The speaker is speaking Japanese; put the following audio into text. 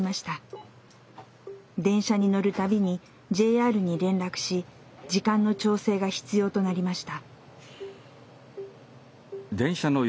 電車に乗る度にＪＲに連絡し時間の調整が必要となりました。